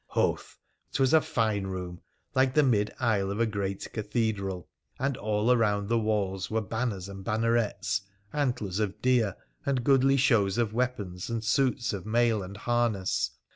Hoth ! 'Twas a fine room, like the mid aisle of a great cathedral, and all around the walls were banners and bannerets, antlers of deer, and goodly shows of weapons, and suits of mail and harness.